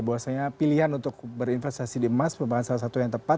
bahwasanya pilihan untuk berinvestasi di emas merupakan salah satu yang tepat